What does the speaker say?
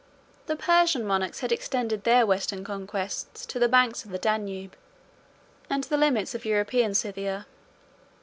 19 The Persian monarchs had extended their western conquests to the banks of the Danube, and the limits of European Scythia.